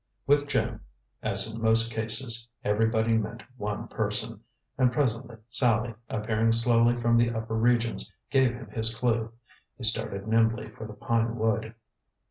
With Jim, as in most cases, everybody meant one person; and presently Sallie, appearing slowly from the upper regions, gave him his clue. He started nimbly for the pine wood.